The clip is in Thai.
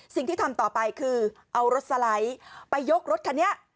สิ่งที่ทำต่อไปคือเอารถสไลด์ไปยกรถคันนี้